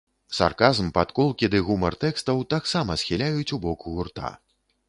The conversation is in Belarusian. Сарказм, падколкі ды гумар тэкстаў таксама схіляюць ў бок гурта.